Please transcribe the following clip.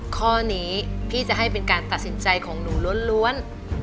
ข้อนี้พี่จะให้เป็นการตัดสินใจของหนูล้วน